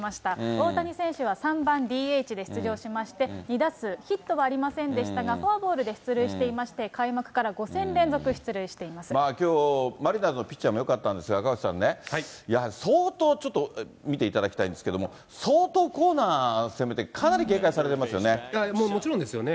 大谷選手は３番ＤＨで出場しまして、２打数ヒットはありませんでしたが、フォアボールで出塁していまして、きょう、マリナーズのピッチャーもよかったんですが、赤星さんね、相当ちょっと、見ていただきたいんですけども、相当コーナーせめて、もちろんですよね。